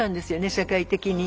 社会的に。